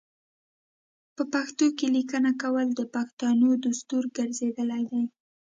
په پښتو کې لیکنه کول د پښتنو دستور ګرځیدلی دی.